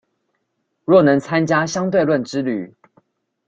若能參加相對論之旅